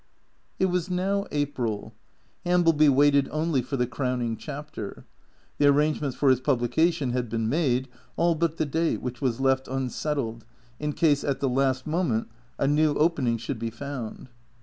It was now April. Hambleby waited only for the crowning chapter. The arrangements for his publication had been made, all but the date, which was left unsettled, in case at the last moment a new opening should be found.